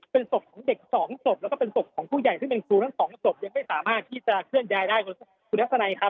เป็นศพของเด็ก๒ศพและก็เป็นศพของผู้ใหญ่ซึ่งเป็นศูนย์ทั้ง๒ศพยังไม่สามารถที่จะเคลื่อนใยได้คุณภัทรไนครับ